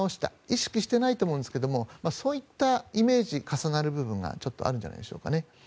意識していないとは思うんですがそういったイメージが重なる部分がちょっとあるんじゃないでしょうか。